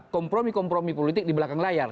kompromi kompromi politik di belakang layar